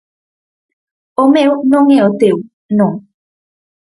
O meu non é o teu, non.